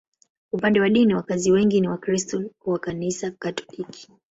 Upande wa dini, wakazi wengi ni Wakristo wa Kanisa Katoliki.